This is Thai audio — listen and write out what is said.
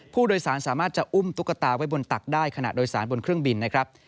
ผู้โดยสารสามารถจะอุ้มตุ๊กตาไว้บนตักได้ขณะโดยสารบนเครื่องบินนะครับ